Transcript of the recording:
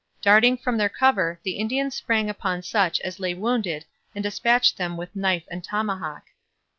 Darting from their cover, the Indians sprang upon such as lay wounded and dispatched them with knife and tomahawk.